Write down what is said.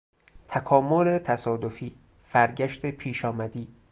تکامل تصادفی، فرگشت پیشامدی